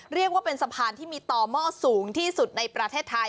เรียกว่าเป็นสะพานที่มีต่อหม้อสูงที่สุดในประเทศไทย